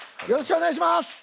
よろしくお願いします！